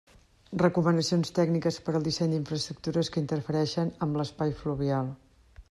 Recomanacions tècniques per al disseny d'infraestructures que interfereixen amb l'espai fluvial.